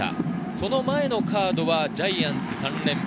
その前のカードはジャイアンツ３連敗。